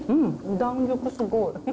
弾力、すごい。